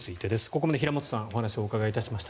ここまで平元さんにお話をお伺いしました。